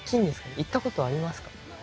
行ったことありますか？